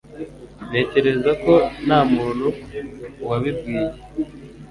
Ntekereza ko nta muntu wabibwiye